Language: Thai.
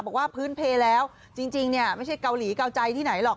บอกว่าพื้นเพลแล้วจริงเนี่ยไม่ใช่เกาหลีเกาใจที่ไหนหรอก